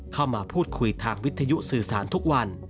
เข้ามาพูดคุยทางวิทยุสื่อสารทุกวัน